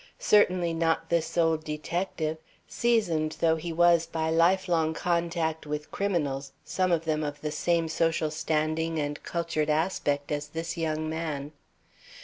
Certainly not this old detective, seasoned though he was by lifelong contact with criminals, some of them of the same social standing and cultured aspect as this young man.